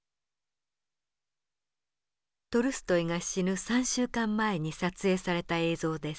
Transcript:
トルストイが死ぬ３週間前に撮影された映像です。